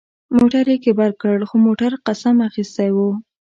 موټر یې کېبل کړ، خو موټر قسم اخیستی و.